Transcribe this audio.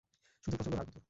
শুধু প্রচন্ড রাগ হতো।